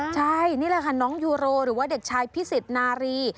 ใช่นี่แหละค่ะน้องยูโรหรือว่าเด็กชายพิสิทธินารี